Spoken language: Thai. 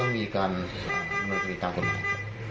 ย้อมมีการปุ่มศูนย์ติดตามกำลัง